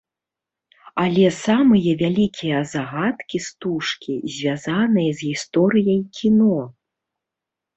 Але самыя вялікія загадкі стужкі звязаныя з гісторыяй кіно.